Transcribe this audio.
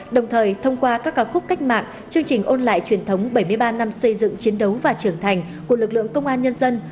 đồng thời thông qua các ca khúc cách mạng chương trình ôn lại truyền thống bảy mươi ba năm xây dựng chiến đấu và trưởng thành của lực lượng công an nhân dân